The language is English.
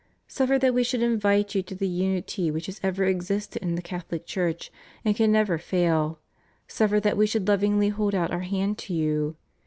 Suffer that We should invite you to the unity which has ever existed in the Catholic Church and can never fail ; suffer that We should lovingly hold out Our hand to you.